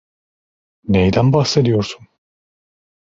Neyden bahsediyorsun?